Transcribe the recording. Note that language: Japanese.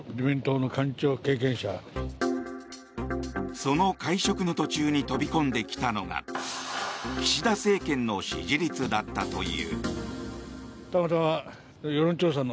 その会食の途中に飛び込んできたのが岸田政権の支持率だったという。